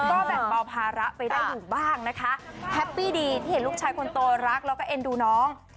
ก็แบ่งเบาภาระไปได้อยู่บ้างนะคะแฮปปี้ดีที่เห็นลูกชายคนโตรักแล้วก็เอ็นดูน้อง